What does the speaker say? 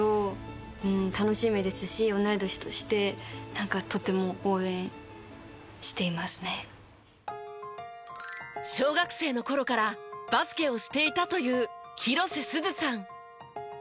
楽しみですし小学生の頃からバスケをしていたという広瀬すずさん。